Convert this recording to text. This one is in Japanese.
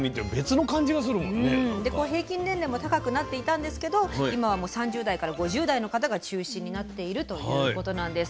で平均年齢も高くなっていたんですけど今はもう３０代から５０代の方が中心になっているということなんです。